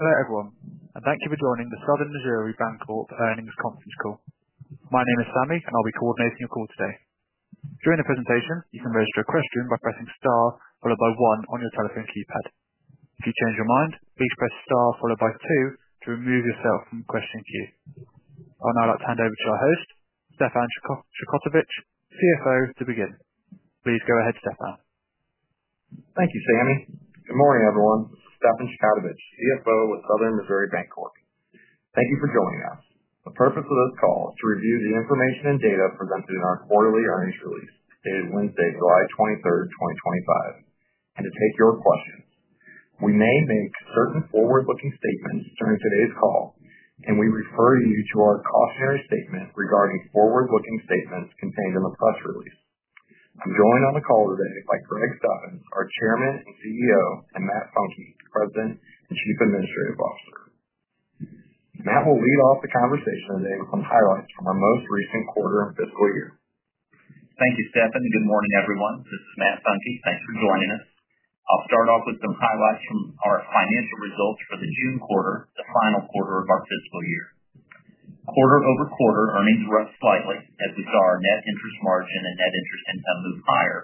Hello everyone, and thank you for joining the Southern Missouri Bancorp earnings conference call. My name is Sammy, and I'll be coordinating your call today. During the presentation, you can register a question by pressing star followed by one on your telephone keypad. If you change your mind, please press star followed by two to remove yourself from the questioning queue. I'd now like to hand over to our host, Stefan Chkautovich, CFO, to begin. Please go ahead, Stefan. Thank you, Sammy. Good morning everyone, Stefan Chkautovich, CFO with Southern Missouri Bancorp. Thank you for joining us. The purpose of this call is to review the information and data presented in our quarterly earnings release dated Wednesday, July 23rd, 2025, and to take your questions. We may make certain forward-looking statements during today's call, and we refer you to our comparative statement regarding forward-looking statements contained in the press release. I'm joined on the call today by Greg Steffens, our Chairman and CEO, and Matt Funke, President and Chief Administrative Officer. Matt will lead off the conversation today with some highlights from our most recent quarter of the fiscal year. Thank you, Stefan. Good morning everyone. This is Matt Funke. Thanks for joining us. I'll start off with some highlights from our financial results for the June quarter, the final quarter of our fiscal year. Quarter-over-quarter, earnings rose slightly, as we saw our net interest margin and net interest income move higher,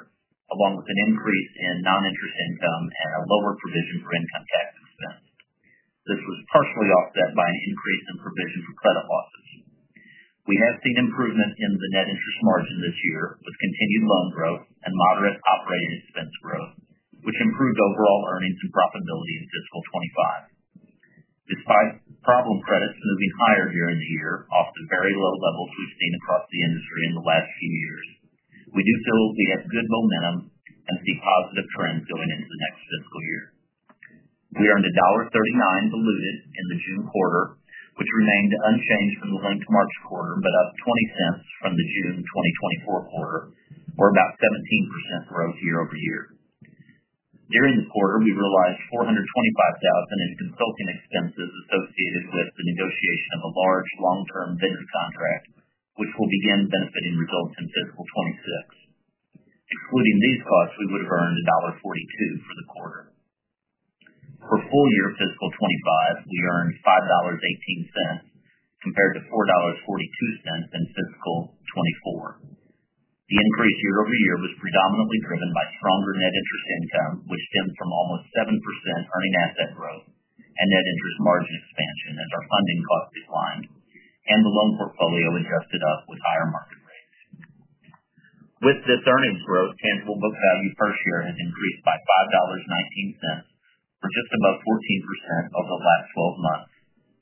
along with an increase in non-interest income and a lower provision for income tax expense. This was partially offset by increases in provisions for credit losses. We have seen improvements in the net interest margin this year, with continued loan growth and moderate operating expense growth, which improved overall earnings and profitability in fiscal 2025. Despite problem credits moving higher during the year, off the very low levels we've seen across the industry in the last few years, we do feel we have good momentum and see positive trends going into the next fiscal year. We are in the $1.39 balloon in the June quarter, which remained unchanged from the late March quarter, but up $0.20 from the June 2024 quarter, or about 17% growth year-over-year. During the quarter, we realized $425,000 in consulting expenses associated with the negotiation of a large long-term business contract, which will begin benefiting results in fiscal 2026. Including these costs, we would have earned $1.42 for the quarter. For full-year fiscal 2025, we earned $5.18 compared to $4.42 in fiscal 2024. The increase year-over-year was predominantly driven by stronger net interest income, which stems from almost 7% earning asset growth and net interest margin expansion as our funding costs declined and the loan portfolio adjusted up with higher market rates. With this earnings growth, tangible book value per share has increased by $5.19, which is above 14% over the last 12 months,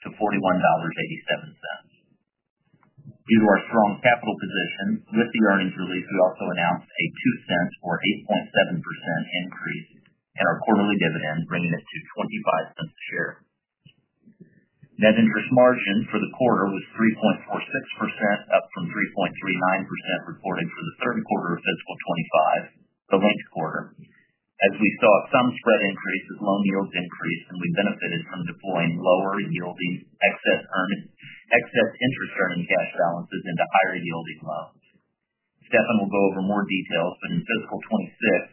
to $41.87. Due to our strong capital position, with the earnings release, we also announced a $0.02 or 8.7% increase in our quarterly dividend, bringing it to $0.25 a share. Net interest margin for the quarter was 3.46%, up from 3.39% reported for the third quarter of fiscal 2025, the late quarter. As we saw some spread increases, loan yields increased, and we benefited from deploying lower yielding excess interest earnings cash balances into higher yielding loans. Stefan will go over more details, but in fiscal 2026,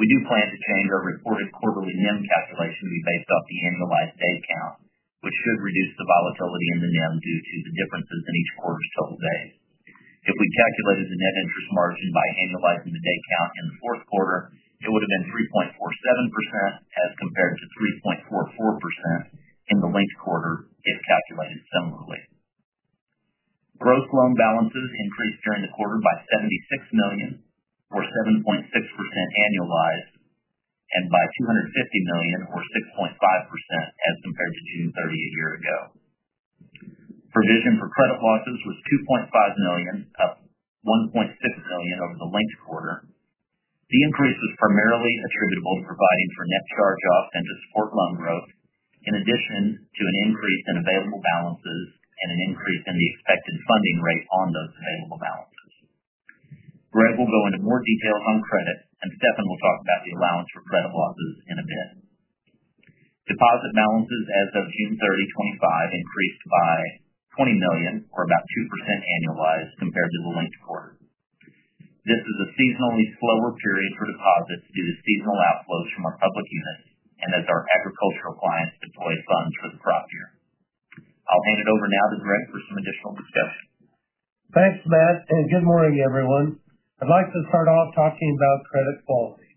we do plan to change our reported quarterly NEM calculation to be based off the annualized day count, which should reduce the volatility in the NEM due to the differences in each quarter's total days. If we calculated the net interest margin by annualizing the day count in the fourth quarter, it would have been 3.47% as compared to 3.44% in the late quarter calculated similarly. Gross loan balances increased during the quarter by $76 million, or 7.6% annualized, and by $250 million, or 6.5% as compared to June 30th a year ago. Provision for credit losses was $2.5 million, up $1.6 million over the late quarter. The increase was primarily attributable to providing for net charge-offs and to support loan growth, in addition to an increase in available balances and an increase in the expected funding rate on those available balances. Greg will go into more detail on credits, and Stefan will talk about the allowance for credit losses in a bit. Deposit balances as of June 30th, 2025, increased by $20 million, or about 2% annualized compared to the late quarter. This is a seasonally slower period for deposits due to seasonal outflows from our public units, and as our agricultural clients deployed funds for the crop year. I'll hand it over now to Greg for some additional discussion. Thanks, Matt, and good morning everyone. I'd like to start off talking about credit quality.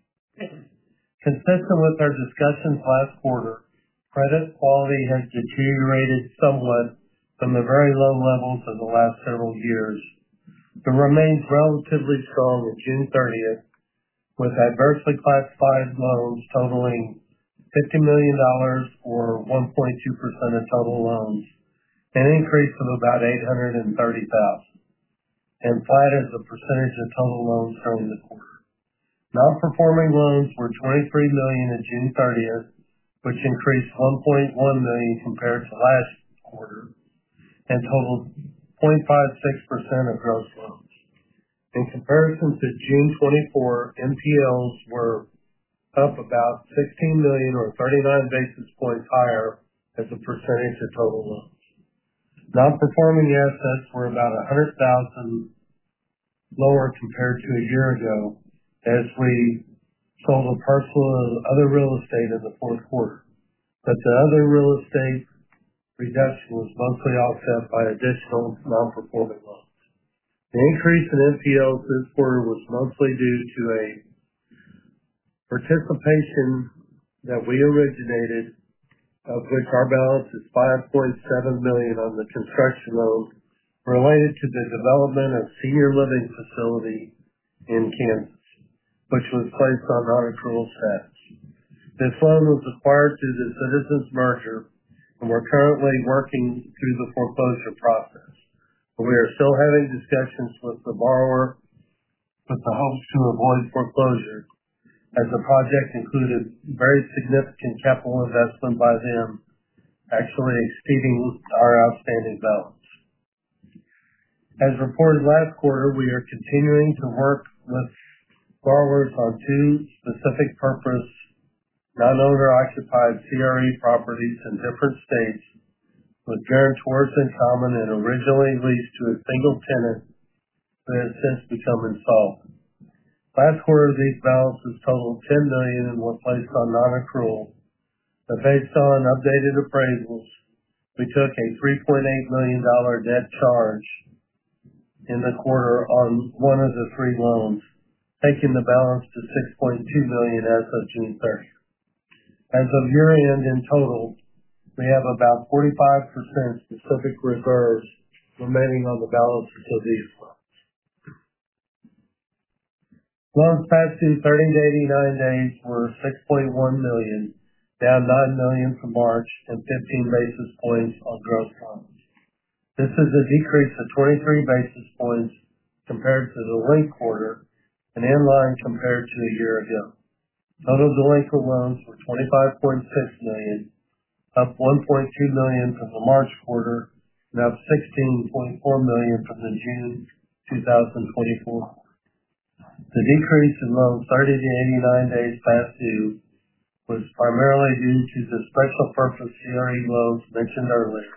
Consistent with our discussions last quarter, credit quality has deteriorated somewhat from the very low levels of the last several years. It remains relatively strong on June 30th, with adversely classified loans totaling $50 million, or 1.2% of total loans, an increase of about $830,000. Finally, the percentage of total loans during the quarter. Non-performing loans were $23 million on June 30th, which increased $1.1 million compared to last quarter and totaled 0.56% of gross loans. In comparison to June 2024, non-performing loans were up about $16 million or 39 basis points higher as a percentage of total loans. Non-performing assets were about $100,000 lower compared to a year ago, as we sold a parcel of other real estate in the fourth quarter. The other real estate reduction was mostly offset by additional non-performing loans. The increase in non-performing loans this quarter was mostly due to a participation that we originated, of which our balance is $5.7 million on the construction loan related to the development of a senior living facility in Kansas, which was placed on non-accrual status. This loan was acquired through the Citizens merger and we're currently working through the foreclosure process. We are still having discussions with the borrower with the hopes to avoid foreclosure as the project included very significant capital investment by them, actually exceeding our outstanding balance. As reported last quarter, we are continuing to work with borrowers on two specific-purpose non-owner occupied commercial real estate loans in different states, with terms towards in common and originally leased to a single tenant that has since become insolvent. Last quarter, these balances totaled $10 million and were placed on non-accrual. Based on updated appraisals, we took a $3.8 million debt charge in the quarter on one of the three loans, taking the balance to $6.2 million as of June 1st. As of year-end in total, we have about 45% of the perfect reserve remaining on the balance equity slot. Loans past due 30-89 days were $6.1 million, down $9 million from March at 15 basis points on gross loans. This is a decrease of 23 basis points compared to the prior quarter and in line compared to a year ago. Delinquent loans were $25.6 million, up $1.2 million from the March quarter, and up $16.4 million from the June 2024 loans. The decrease in loans 30-89 days past due was primarily due to the special purpose CRE loans mentioned earlier,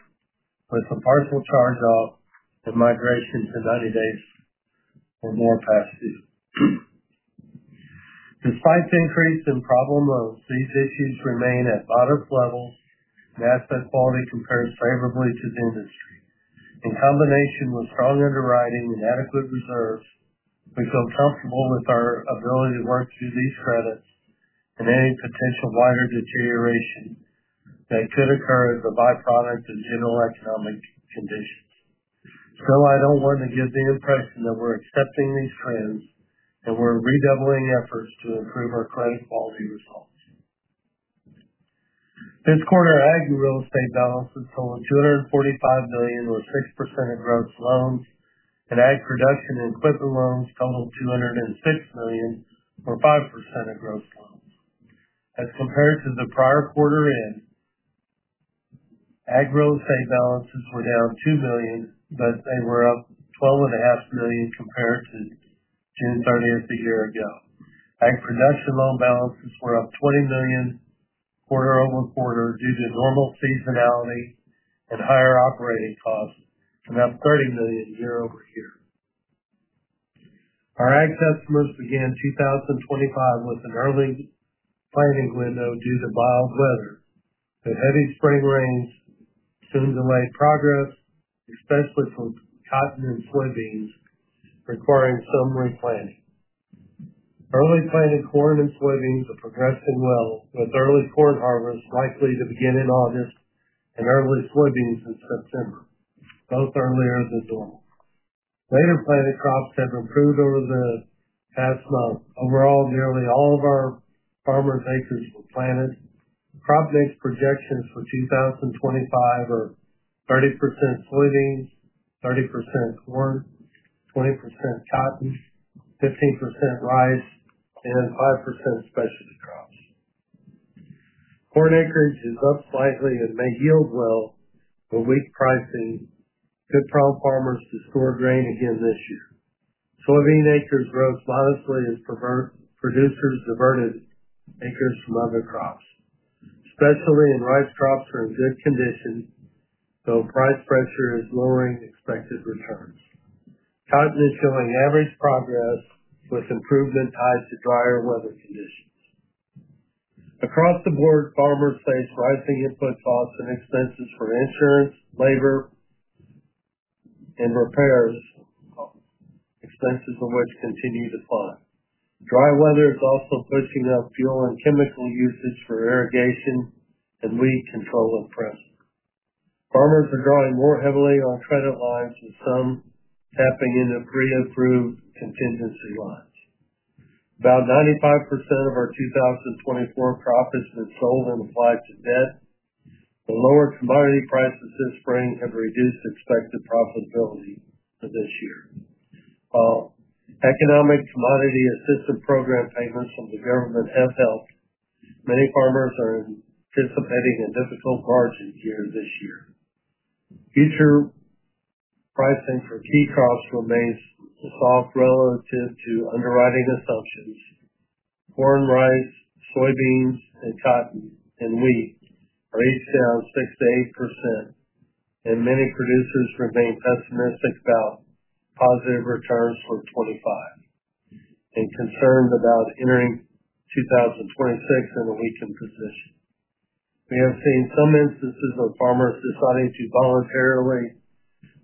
with the partial charge-off and migration to 90 days or more past due. Despite the increase in problem loans, these issues remain at modest levels, and asset quality compares favorably to the industry. In combination with strong underwriting and adequate reserves, we feel comfortable with our ability to work through these credits and any potential wider deterioration that could occur as a byproduct of general economic conditions. I don't want to give the impression that we're accepting these trends, and we're redoubling efforts to improve our client quality results. Fifth quarter ag real estate balances totaled $245 million, or 6% of gross loans, and ag production and equipment loans totaled $206 million, or 5% of gross loans. As compared to the prior quarter end, ag real estate balances were down $2 million, but they were up $12.5 million compared to June 30th, a year ago. Ag production loan balances were up $20 million quarter-over-quarter due to normal seasonality and higher operating costs, and up $30 million year-over-year. Our ag estimates began in 2025 with an early planting window due to mild weather, but heavy spring rains soon delayed progress, especially for cotton and soybeans, requiring some replanting. Early planting corn and soybeans are progressing well, with early corn harvest likely to begin in August and early soybeans in September, both earlier than normal. Later planted crops have improved over the past month. Overall, nearly all of our farmers' acres were planted. Crop mix projections for 2025 are 30% soybeans, 30% corn, 20% cotton, 15% rice, and 5% specialty crops. Corn acreage is up slightly and may yield well, but weak pricing could prompt farmers to store grain again this year. Soybean acres grow modestly as producers diverted acres from other crops. Specialty and rice crops are in good condition, though price pressure is lowering expected returns. Cotton is showing average progress with improvement tied to drier weather conditions. Across the board, farmers face rising input costs and expenses for insurance, labor, and repairs, expenses which continue to climb. Dry weather is also pushing out fuel and chemical usage for irrigation and weed control upfront. Farmers are drawing more heavily on credit lines, with some tapping into pre-approved contingency lines. About 95% of our 2024 profits have been sold in the flight to debt. The lower commodity prices this spring have reduced expected profitability for this year. While economic commodity assistance program payments from the government have helped many farmers, they are anticipating a difficult margin year this year. Future pricing for key crops remains soft relative to underwriting assumptions. Corn, rice, soybeans, cotton, and wheat are each down 6%-8%, and many producers remain pessimistic about positive returns from 2025. They confirmed about entering 2026 in a weakened position. We have seen some instances of farmers deciding to voluntarily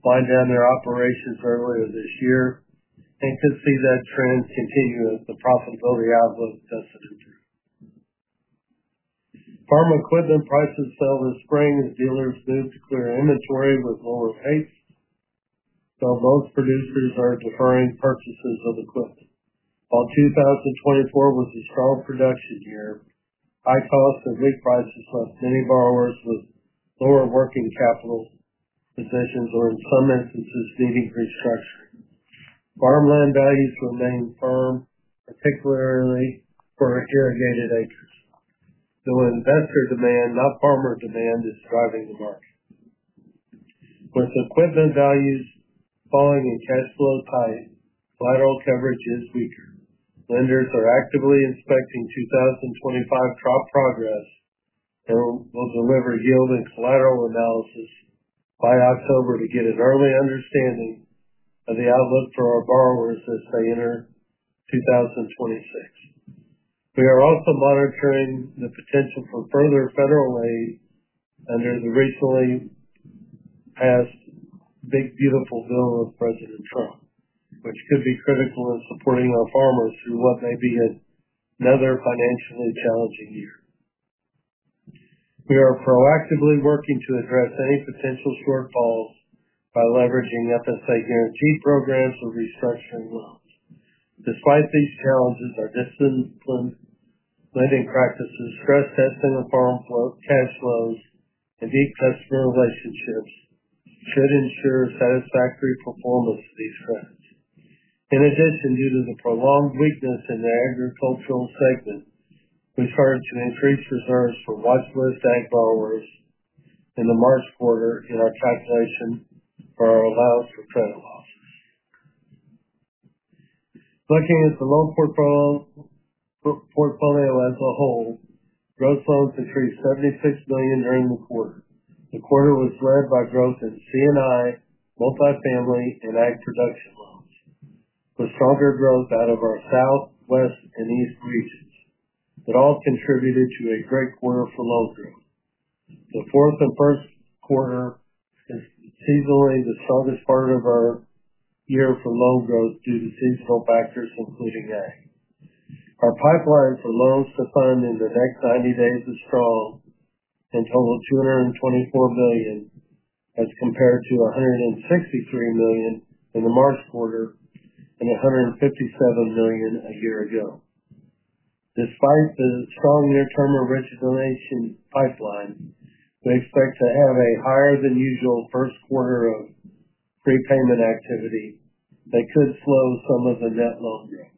wind down their operations earlier this year. I anticipate that trend continues as the profitability outlook does improve. Farm equipment prices fell this spring, as dealers moved to clear inventory with lower rates, though most producers are deferring purchases of equipment. While 2024 was a strong production year, high costs and big prices left many borrowers with lower working capital positions and in some instances needing restructuring. Farmland values remain firm, particularly for irrigated acres. New investor demand, not farmer demand, is driving the market. With equipment values falling and cash flow tight, lateral coverage is weaker. Lenders are actively inspecting 2025 crop progress and will deliver yielded lateral analysis by October to get an early understanding of the outlook for our borrowers as they enter 2026. We are also monitoring the potential for further federal aid under the recently passed Big Beautiful Bill of President Trump, which could be critical in supporting our farmers through what may be another financially challenging year. We are proactively working to address any potential shortfalls by leveraging FSA guarantee programs and restructuring loans. Despite these challenges, our disciplined living practices, stress testing the farm cash flows, and the excess fertilization shifts should ensure satisfactory performance of these funds. In addition, due to the prolonged weakness in the agricultural segment, we've heard an increased reserve for watch list ag borrowers in the March quarter in our calculation for allowance for credit losses. Looking at the loan portfolio as a whole, gross loans increased $76 million during the quarter. The quarter was led by growth in commercial & industrial, multifamily, and ag production loans. The stronger growth out of our south, west, and east regions all contributed to a great quarter for loan growth. The fourth and first quarter is seemingly the strongest part of our year for loan growth due to seasonal factors, including ag. Our pipeline for loans to fund in the next 90 days is strong and totaled $224 million as compared to $163 million in the March quarter and $157 million a year ago. Despite the strong interim origination pipeline, we expect to have a higher than usual first quarter of prepayment activity that could slow some of the net loan growth.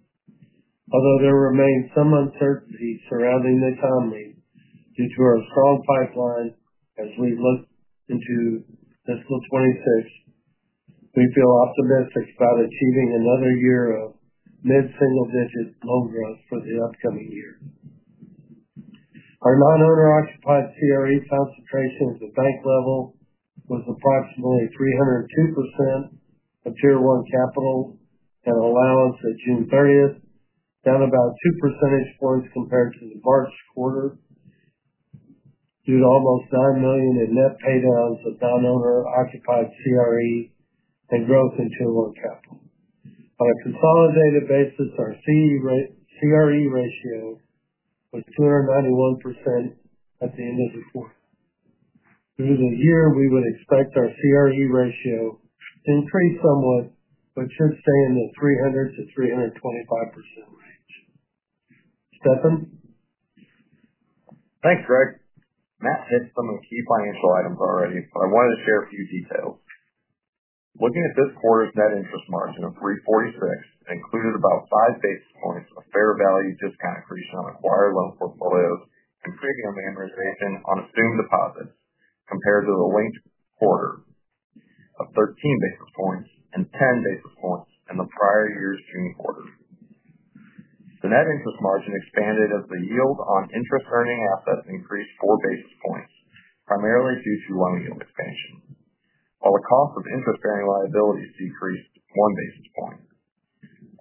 Although there remain some uncertainty surrounding the economy, due to our strong pipeline, as we've looked into fiscal 2026, we feel optimistic about achieving another year of mid-single digits loan growth for the upcoming year. Our non-owner occupied commercial real estate loans concentration at the bank level was approximately 302% of tier one capital and allowance at June 30th, down about 2 percentage points compared to the March quarter due to almost $9 million in net paydowns with non-owner occupied commercial real estate loans and growth in tier one capital. On a consolidated basis, our commercial real estate loans ratio was 291% at the end of the quarter. Through the year, we would expect our commercial real estate loans ratio to increase somewhat, but should stay in the 300%-325% range. Stefan? Thanks, Greg. Matt said some of the key financial items already, but I wanted to share a few details. Looking at this quarter's net interest margin of 3.46% and cleared about 5 basis points, a fair value discount increase on acquired loan portfolios contributing to amortization on assumed deposits compared to the late quarter of 13 basis points and 10 basis points in the prior year's June quarter. The net interest margin expanded as the yield on interest earning assets increased 4 basis points, primarily due to loan yield expansion, while the cost of interest paying liabilities decreased 1 basis point.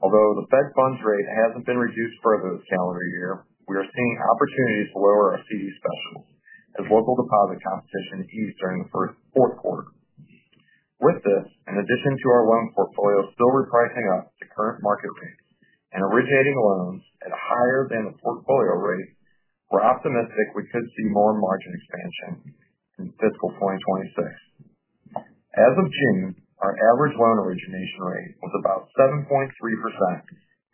Although the Fed funds rate hasn't been reduced further this calendar year, we are seeing opportunities to lower our CD stubs as local deposit costs have been infused during the fourth quarter. With this, in addition to our loan portfolios still repricing up to current market rates and originating loans at a higher than a portfolio rate, we're optimistic we could see more margin expansion in fiscal 2026. As of June, our average loan origination rate was about 7.3%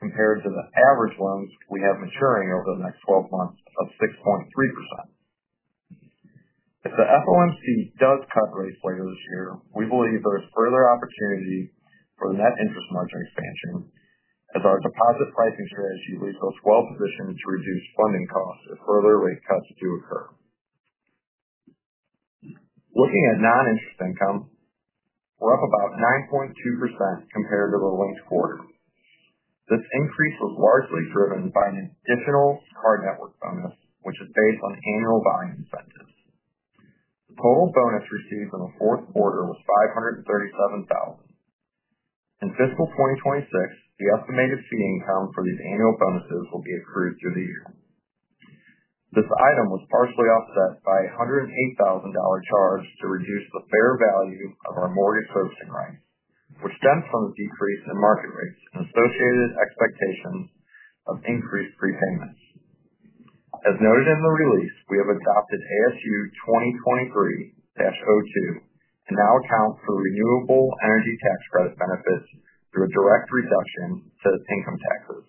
compared to the average loans we have maturing over the next 12 months of 6.3%. If the FOMC does cut rates later this year, we believe there is further opportunity for the net interest margin expansion as our deposit pricing strategy leaves us well positioned to reduce funding costs if further rate cuts do occur. Looking at non-interest income, we're up about 9.2% compared to the late quarter. This increase was largely driven by an internal card network bonus, which is based on annual buying incentives. Total bonus received in the fourth quarter was $537,000. In fiscal 2026, the estimated C income for these annual bonuses will be accrued through the year. This item was partially offset by a $108,000 charge to reduce the fair value of our mortgage purchasing rights, which stems from a decrease in market rates and associated expectations of increased prepayments. As noted in the release, we have adopted ASU 2023-02 and now account for renewable energy tax credit benefits through a direct reduction to income taxes.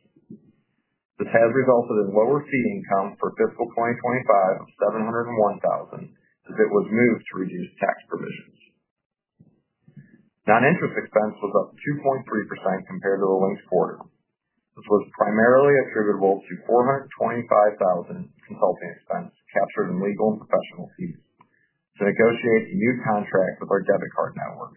This has resulted in lower C income for fiscal 2025 of $701,000 as it was moved to reduce tax provisions. Non-interest expense was up 2.3% compared to the late quarter. This was primarily attributable to $425,000 consulting expenses captured in legal and professional fees, so it goes towards the new contract with our debit card network.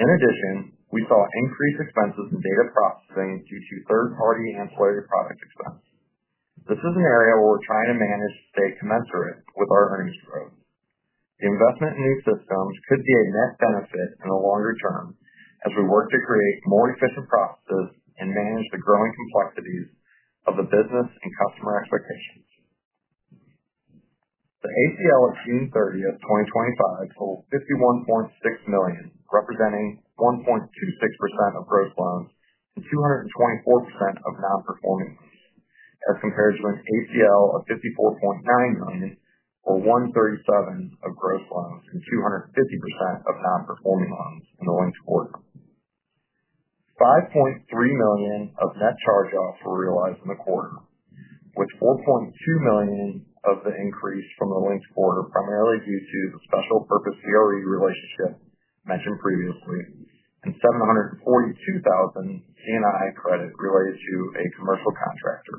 In addition, we saw increased expenses in data processing due to third-party ancillary product expense. This is an area where we're trying to manage to stay commensurate with our earnings growth. The investment in these systems could be a net benefit in the longer term as we work to create more efficient processes and manage the growing complexities of the business and customer expectations. The allowance for credit losses at June 30th, 2025, totaled $51.6 million, representing 1.26% of gross loans and 224% of non-performing loans, as compared to an allowance for credit losses of $54.9 million, or 1.37% of gross loans and 250% of non-performing loans in the prior quarter. $5.3 million of net charge-offs were realized in the quarter, with $4.2 million of the increase from the prior quarter primarily due to the special purpose commercial real estate relationship mentioned previously and $742,000 commercial & industrial credit related to a commercial contractor.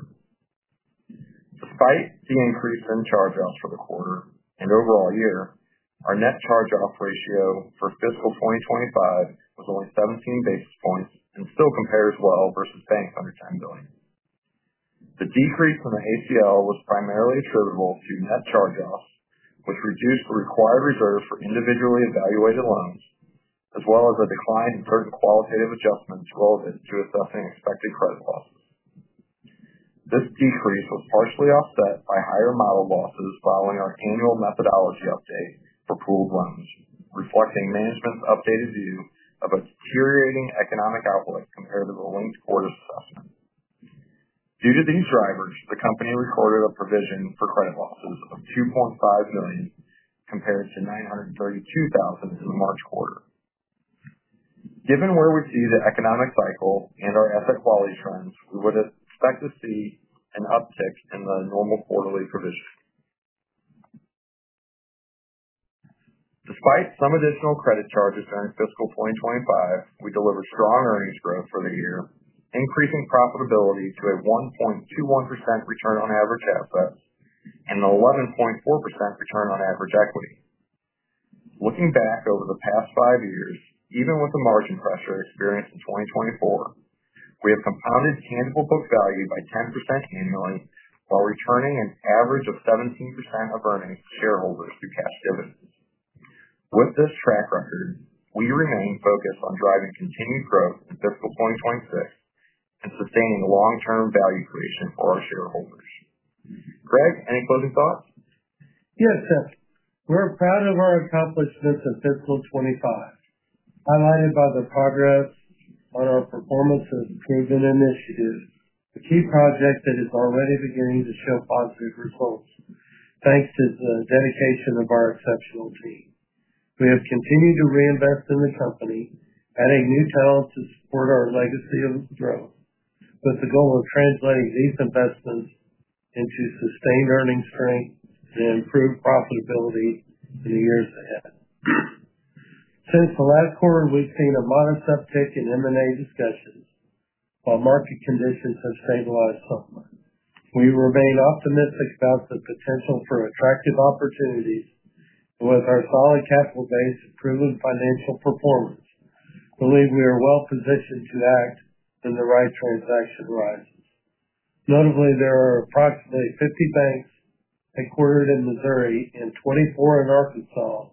Despite the increase in charge-offs for the quarter and overall year, our net charge-off ratio for fiscal 2025 was only 17 basis points and still compared well versus banks under $10 billion. The decrease in the allowance for credit losses was primarily attributable to net charge-offs, which reduced the required reserve for individually evaluated loans, as well as a decline in further qualitative adjustments relevant to assessing expected credit losses. This decrease was partially offset by higher model losses following our annual methodology update for pooled loans, reflecting management's updated view of a deteriorating economic outlook compared to the prior quarter's assessment. Due to these drivers, the company recorded a provision for credit losses of $2.5 million compared to $932,000 in the March quarter. Given where we see the economic cycle and our asset quality trends, we would expect to see an uptick in the normal quarterly provisions. Despite some additional credit charges during fiscal 2025, we delivered strong earnings growth for the year, increasing profitability to a 1.21% return on average assets and an 11.4% return on average equity. Looking back over the past five years, even with the margin pressure experienced in 2024, we have compounded tangible book value by 10% annually while returning an average of 17% of earnings to shareholders through cash dividends. With this track record, we remain focused on driving continued growth for fiscal 2026 and sustaining the long-term value creation for our shareholders. Greg, any closing thoughts? Yes, Stefan. We are proud of our accomplishments in fiscal 2025, highlighted by the progress on our performance improvement initiative, a key project that is already beginning to show positive results thanks to the dedication of our exceptional team. We have continued to reinvest in the company, adding new talent to support our legacy growth, with the goal of translating these investments into sustained earning strength and improved profitability in the years ahead. Since the last quarter, we've seen a modest uptick in M&A discussions while market conditions have stabilized somewhat. We remain optimistic about the potential for attractive opportunities with our solid capital base and proven financial performance. I believe we are well positioned to act when the right transaction arrives. Notably, there are approximately 50 banks headquartered in Missouri and 24 in Arkansas,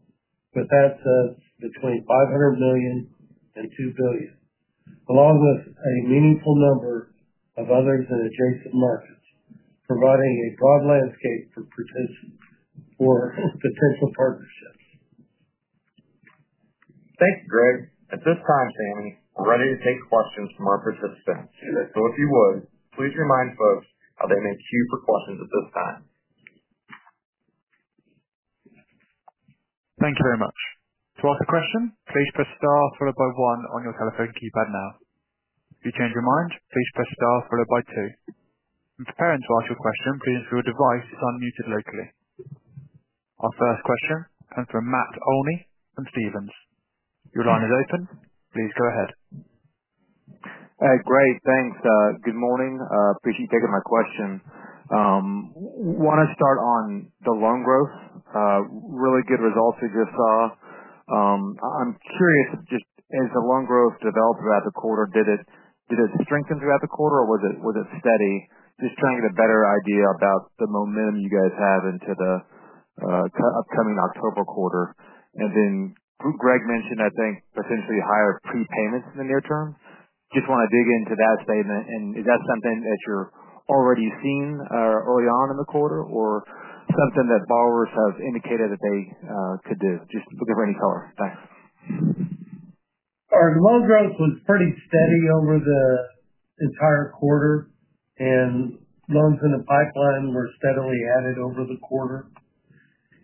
with assets between $500 million and $2 billion, along with a meaningful number of others in adjacent markets, providing a broad landscape for potential partnerships. Thank you, Greg. At this time, Sammy, we're ready to take questions from our participants. If you would, please remind folks how they may queue for questions at this time. Thank you very much. To ask a question, please press star followed by one on your telephone keypad now. To change your mind, please press star followed by two. If your parents will ask you a question, please use your device unmuted locally. Our first question comes from Matt Olney from Stephens. Your line is open. Please go ahead. Great, thanks. Good morning. Appreciate you taking my question. I want to start on the loan growth. Really good results as you saw. I'm curious, just as the loan growth developed throughout the quarter, did it strengthen throughout the quarter or was it steady? Just trying to get a better idea about the momentum you guys have into the upcoming October quarter. Greg mentioned, I think, potentially higher prepayments in the near term. I just want to dig into that statement. Is that something that you're already seeing early on in the quarter or something that borrowers have indicated that they could do? Just put your finger in the color. Thanks. Our loan growth was pretty steady over the entire quarter, and loans in the pipeline were steadily added over the quarter.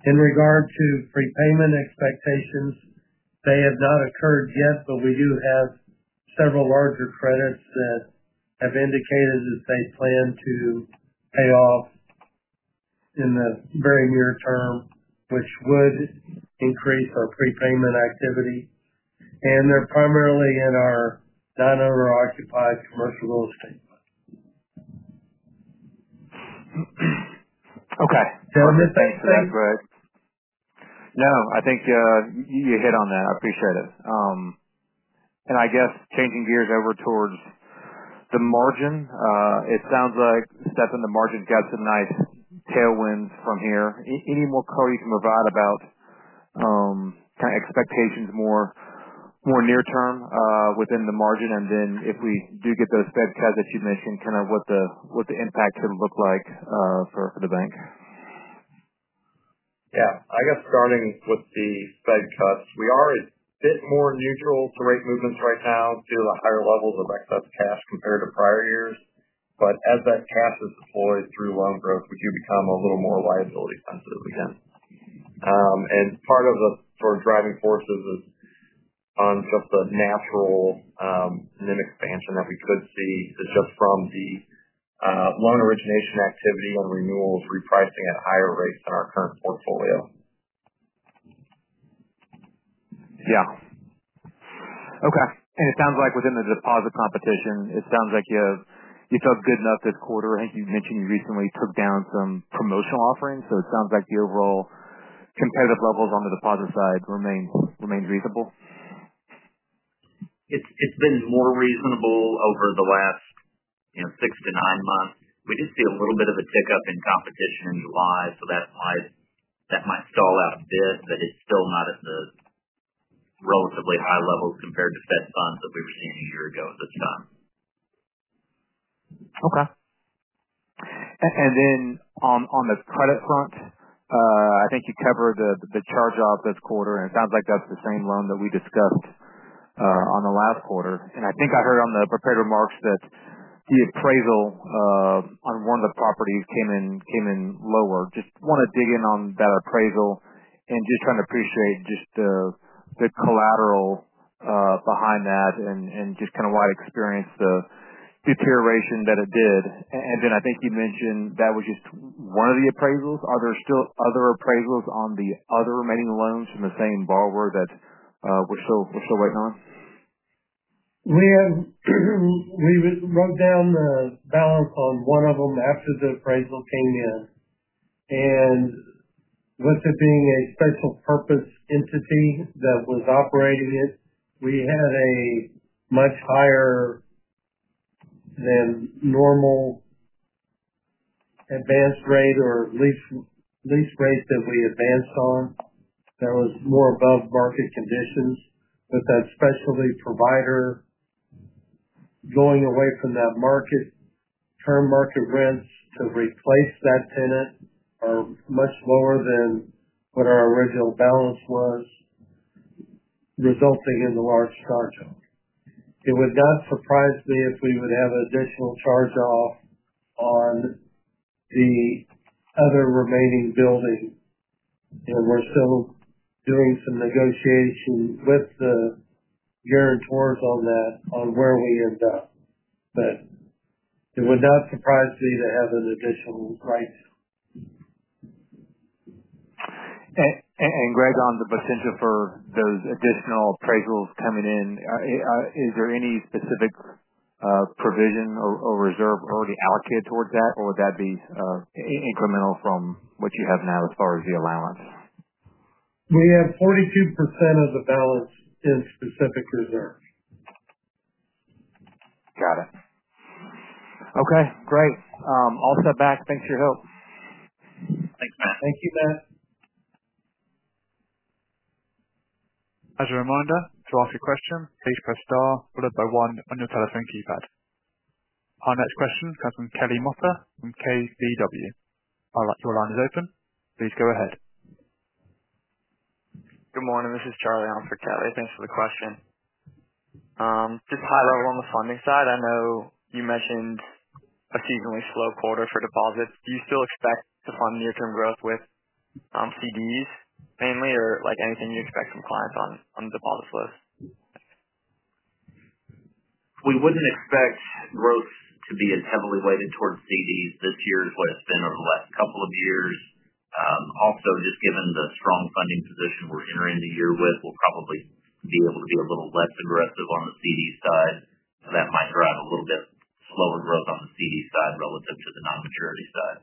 In regard to prepayment expectations, they have not occurred yet, but we do have several larger credits that have indicated that they plan to pay off in the very near term, which would increase our prepayment activity. They are primarily in our non-owner occupied commercial real estate. Okay. I'm just basically, Greg. No, I think you hit on that. I appreciate it. I guess changing gears over towards the margin, it sounds like stuff in the margin gets some nice tailwinds from here. Any more color you can provide about kind of expectations more near term within the margin? If we do get those Fed cuts that you mentioned, kind of what the impact's going to look like for the bank? Yeah, I guess starting with the Fed cuts, we are a bit more neutral to rate movements right now due to the higher levels of excess cash compared to prior years. As that cash is deployed through loan growth, we do become a little more liability sensitive, I guess. Part of the sort of driving forces is on just the natural net interest margin expansion that we could see just from the loan origination activity and renewals, repricing, and higher rates in our current portfolio. Okay. It sounds like within the deposit competition, it sounds like you've done good enough this quarter. I think you mentioned you recently took down some promotional offerings. It sounds like the overall competitive levels on the deposit side remain reasonable. It's been more reasonable over the last six to nine months. We just see a little bit of a tick up in competition in July. That might stall out a bit, but it's still not at the relatively high levels compared to Fed funds that we've seen a year ago at this time. Okay. On the credit front, I think you covered the charge-off this quarter, and it sounds like that's the same loan that we discussed last quarter. I think I heard in the prepared remarks that the appraisal on one of the properties came in lower. I just want to dig in on that appraisal and just trying to appreciate the collateral behind that and why it experienced the deterioration that it did. I think you mentioned that was just one of the appraisals. Are there still other appraisals on the other remaining loans from the same borrower that we're still waiting on? We had to run down the balance on one of them after the appraisal came in. With it being a special purpose entity that was operating it, we had a much higher than normal advance rate or lease rates that we advanced on. That was more above market conditions. That specialty provider going away from that market term, market rents to replace that tenant are much lower than what our original balance was, resulting in the large charge-off. It would not surprise me if we would have additional charge-off on the other remaining building. We're still doing some negotiation with the year-end floors on that, on where we end up. It would not surprise me to have an additional price. Greg, on the potential for those additional appraisals coming in, is there any specific provision or reserve already allocated towards that, or would that be incremental from what you have now as far as the allowance? We have 42% of the balance in specific reserve. Got it. Okay, great. I'll step back. Thanks for your help. Thanks, Matt. Thank you, Matt. As a reminder, to ask a question, please press star followed by one on your telephone keypad. Our next question comes from Kelly Motta from KBW. All right, your line is open. Please go ahead. Good morning. This is Charlie on for Kelly. Thanks for the question. Just high level on the funding side, I know you mentioned a seasonally slow quarter for deposits. Do you still expect to fund near-term growth with CDs mainly, or anything you expect from clients on deposits lists? We wouldn't expect growth to be as heavily weighted towards CDs this year as what it's been over the last couple of years. Also, just given the strong funding position we're entering the year with, we'll probably be able to be a little less aggressive on the CD side. That might drive a little bit slower growth on the CD side relative to the non-maturity side.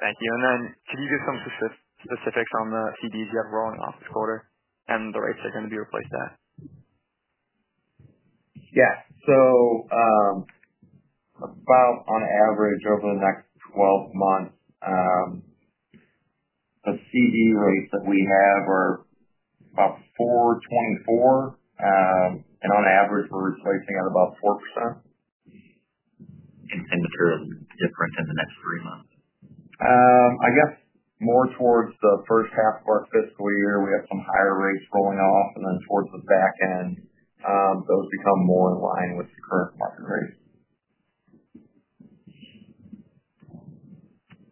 Thank you. Can you give some specifics on the certificates of deposit you have rolling off this quarter and the rates that are going to be replaced there? Yes. About on average over the next 12 months, the CD rates that we have are about 4.24%. On average, we're rating at about 4%. you tend to curve the difference in the next three months? I guess more towards the first half of our fiscal year, we have some higher rates rolling off. Towards the back end, those become more in line with the current market rate.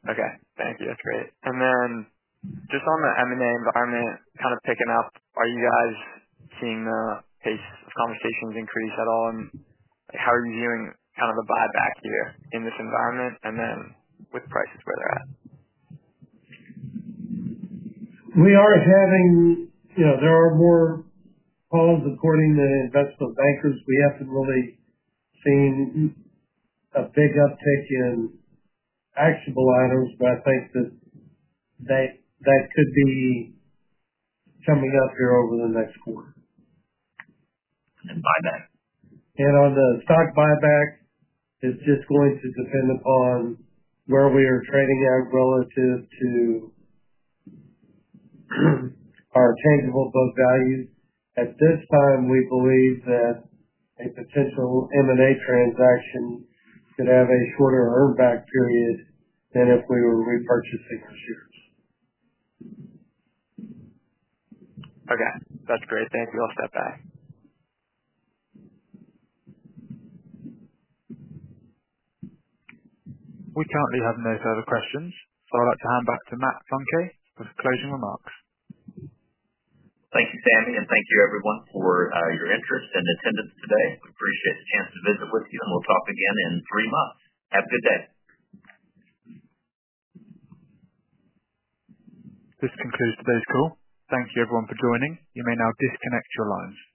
Okay. Thank you, that's great. Just on the M&A environment, kind of picking up, are you guys seeing the pace of compensation increase at all? How are you hearing kind of the buyback here in this environment? With prices where they're at? We are having, you know, there are more calls according to investment bankers. We haven't really seen a big uptick in actionable items, but I think that that could be coming up here over the next quarter. Buyback. On the stock buyback, it's just going to depend upon where we are trading at relative to our tangible book value. At this time, we believe that a potential M&A transaction could have a shorter earn-back period than if we were repurchasing. Okay, that's great. Thank you. I'll step back. We currently have no further questions. I would like to hand back to Matt Funke for his closing remarks. Thank you, Sammy, and thank you everyone for your interest and attendance today. I appreciate the chance to visit with you, and we'll talk again in three months. Have a good day. This concludes today's call. Thank you everyone for joining. You may now disconnect your lines.